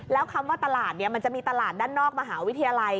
แล้วคำว่าตลาดมันจะมีตลาดด้านนอกมหาวิทยาลัย